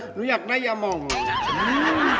หนูอยากได้อะไรอย่างนี่